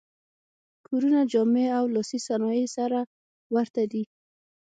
کورونه، جامې او لاسي صنایع یې سره ورته دي.